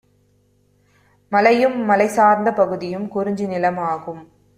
மலையும் மலை சார்ந்த பகுதியும் 'குறிஞ்சி நிலம்' ஆகும்.